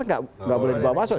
tidak boleh dibawa masuk